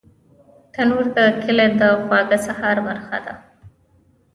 تنور د کلي د خواږه سهار برخه ده